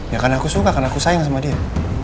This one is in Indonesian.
ya karena aku suka karena aku sayang sama dia